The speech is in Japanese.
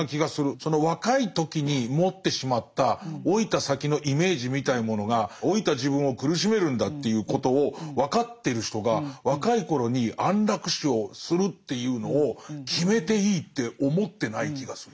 その若い時に持ってしまった老いた先のイメージみたいなものが老いた自分を苦しめるんだっていうことを分かってる人が若い頃に安楽死をするっていうのを決めていいって思ってない気がする。